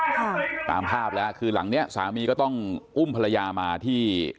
ค่ะตามภาพแล้วคือหลังเนี้ยสามีก็ต้องอุ้มภรรยามาที่